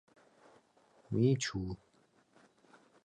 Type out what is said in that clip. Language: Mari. — «Ми-ичу-у-у-у!..»